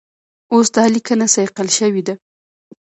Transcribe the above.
اوس دا لیکنه صیقل شوې ده.